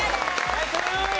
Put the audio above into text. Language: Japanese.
ナイス！